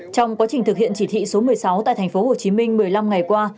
trong quá trình thực hiện chỉ thị số một mươi sáu tại tp hcm một mươi năm ngày qua